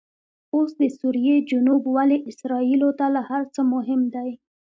اوس دسوریې جنوب ولې اسرایلو ته له هرڅه مهم دي؟